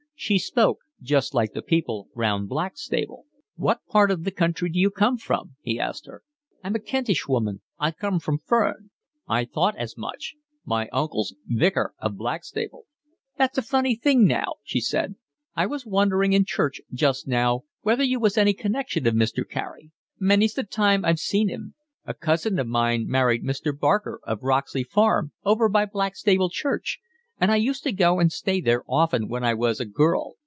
She spoke just like the people round Blackstable. "What part of the country d'you come from?" he asked her. "I'm a Kentish woman. I come from Ferne." "I thought as much. My uncle's Vicar of Blackstable." "That's a funny thing now," she said. "I was wondering in Church just now whether you was any connection of Mr. Carey. Many's the time I've seen 'im. A cousin of mine married Mr. Barker of Roxley Farm, over by Blackstable Church, and I used to go and stay there often when I was a girl.